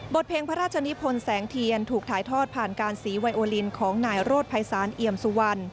เพลงพระราชนิพลแสงเทียนถูกถ่ายทอดผ่านการสีไวโอลินของนายโรธภัยศาลเอี่ยมสุวรรณ